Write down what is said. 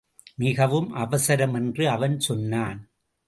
மிகவும் அவசரம் என்று அவன் சொன்னான்.